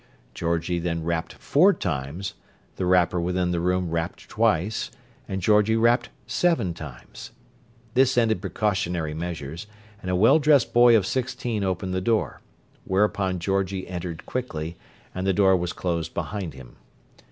Georgie then rapped four times the rapper within the room rapped twice, and Georgie rapped seven times. This ended precautionary measures; and a well dressed boy of sixteen opened the door; whereupon Georgie entered quickly, and the door was closed behind him.